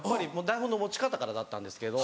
台本の持ち方からだったんですけど。